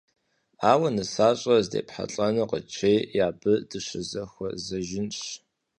Ауэ нысащӏэр здепхьэлӀэнур къыджеӀи, абы дыщызэхуэзэжынщ.